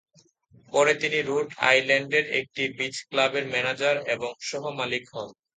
পরে তিনি রোড আইল্যান্ডের একটি বীচ ক্লাবের ম্যানেজার এবং সহ-মালিক হন।